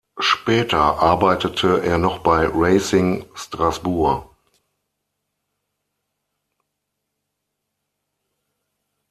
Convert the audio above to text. Später arbeitete er noch bei Racing Strasbourg.